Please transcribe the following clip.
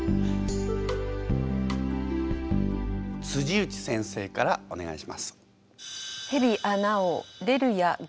内先生からお願いします。